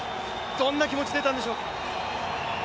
どんな気持ちで出たんでしょうか？